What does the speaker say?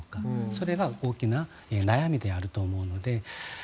それが大きな悩みであると思うので。